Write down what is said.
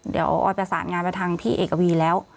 เดี๋ยวออยประสานงานไปทางพี่เอกวีแล้ว